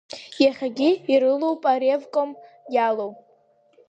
Иахьагьы ирылоуп аревком иалоу.